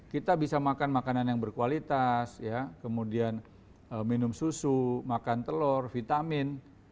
kita bisa makan makanan yang berkualitas kemudian minum susu makan telur vitamin